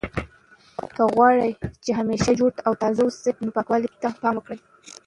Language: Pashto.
که غواړئ چې همیشه جوړ تازه اوسئ نو پاکوالي ته پام کوئ.